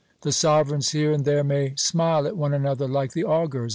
The sovereigns here and there may smile at one another like the augurs.